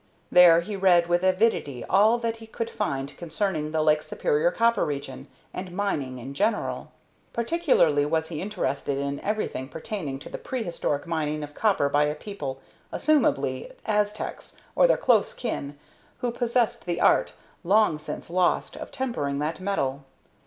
There he read with avidity all that he could find concerning the Lake Superior copper region, and mining in general. Particularly was he interested in everything pertaining to the prehistoric mining of copper by a people, presumably Aztecs or their close kin, who possessed the art, long since lost, of tempering that metal.